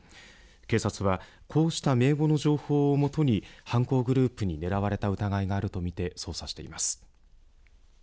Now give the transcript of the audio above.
警察はこうした名簿の情報をもとに犯行グループに狙われた疑いがあると見て捜査しています。